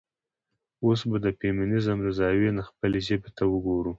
اوس به د د فيمينزم له زاويې نه خپلې ژبې ته وګورو.